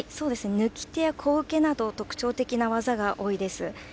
貫手や受けなど特徴的な技が多いです。